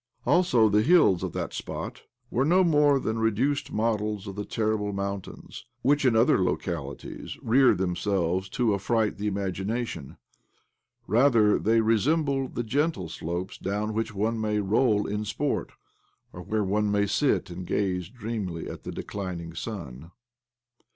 Also the hills of that spot were no more than reduced models of the terrible mountains whic)i, in other localities, rear themselves to affright the imagination. Rather, they resembled the gentle slopes down which one may roll in sport, or where one may sit and gaze dreamily at the declining sun.